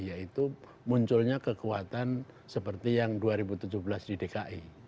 yaitu munculnya kekuatan seperti yang dua ribu tujuh belas di dki